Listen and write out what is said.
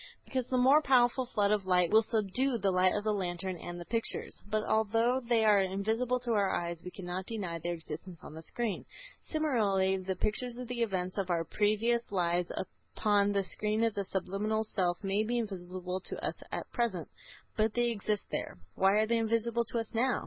Because the more powerful flood of light will subdue the light of the lantern and the pictures. But although they are invisible to our eyes we cannot deny their existence on the screen. Similarly, the pictures of the events of our previous lives upon the screen of the subliminal self may be invisible to us at present, but they exist there. Why are they invisible to us now?